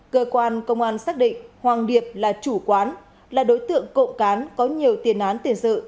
cơ quan công an xác định hoàng điệp là chủ quán là đối tượng cộng cán có nhiều tiền án tiền sự